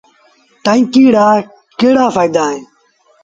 ٽآنڪي رآڪهڙآ ڦآئيدآ اهيݩ۔